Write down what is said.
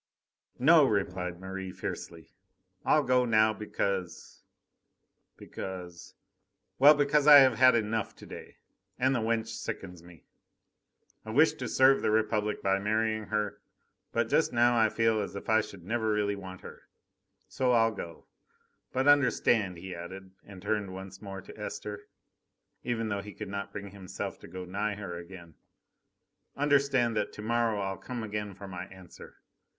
"No!" replied Merri fiercely. "I'll go now because ... because ... well! because I have had enough to day. And the wench sickens me. I wish to serve the Republic by marrying her, but just now I feel as if I should never really want her. So I'll go! But, understand!" he added, and turned once more to Esther, even though he could not bring himself to go nigh her again. "Understand that to morrow I'll come again for my answer.